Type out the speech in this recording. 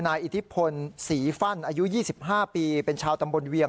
อิทธิพลศรีฟั่นอายุ๒๕ปีเป็นชาวตำบลเวียง